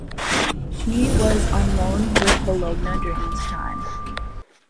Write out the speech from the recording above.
He was on loan with Bologna during this time.